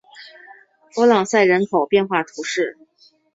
弗朗赛人口变化图示